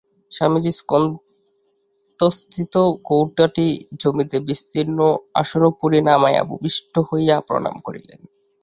স্বামীজী স্কন্ধস্থিত কৌটাটি জমিতে বিস্তীর্ণ আসনোপরি নামাইয়া ভূমিষ্ঠ হইয়া প্রণাম করিলেন।